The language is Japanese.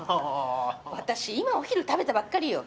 私今お昼食べたばっかりよ。